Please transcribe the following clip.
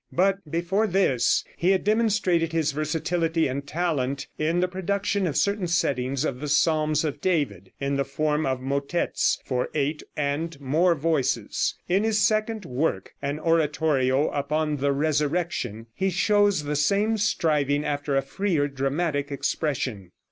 But before this he had demonstrated his versatility and talent in the production of certain settings of the psalms of David, in the form of motettes for eight and more voices. In his second work, an oratorio upon the "Resurrection," he shows the same striving after a freer dramatic expression.